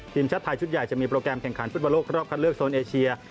ทีมชาติไทยชุดใหญ่จะมีโปรแกรมแข่งขันฟุตบอลโลกรอบคัดเลือกโซนเอเชีย